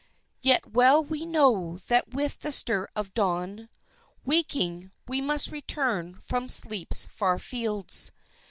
Yet well we know that with the stir of dawn, Waking, we must return from Sleep's far fields!